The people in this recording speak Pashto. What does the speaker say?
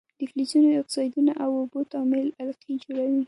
د فلزونو د اکسایدونو او اوبو تعامل القلي جوړوي.